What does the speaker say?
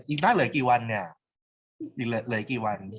เหลือกี่วันเนี่ยอีกเหลือกี่วัน